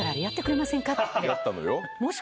やったのよ。